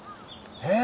へえ。